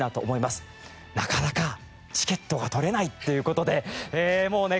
なかなかチケットが取れないという事でもうね